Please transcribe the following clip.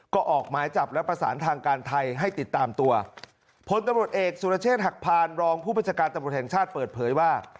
ก็ออกหมายจับและประสานทางการไทยให้ติดตามตัวพลตำรวจเอกสุรเชษฐหักพานรองผู้บัญชาการตำรวจแห่งชาติเปิดเผยว่า